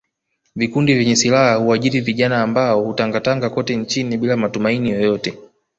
Vikundi vyenye silaha huajiri vijana ambao hutangatanga kote nchini bila matumaini yoyote